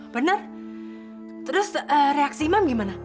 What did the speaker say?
bener terus reaksi imam gimana